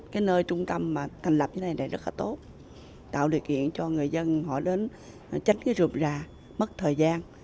cái nơi trung tâm thành lập như thế này rất là tốt tạo điều kiện cho người dân họ đến tránh cái rụm rà mất thời gian